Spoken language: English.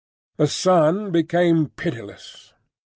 The sun became pitiless.